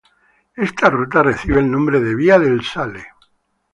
Esta ruta recibe el nombre de Vía del Sale.